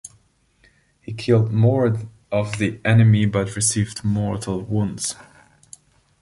He killed more of the enemy but received mortal wounds.